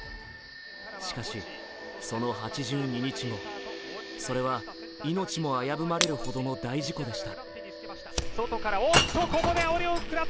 しかし、その８２日後、それは命も危ぶまれるほどの大事故でした。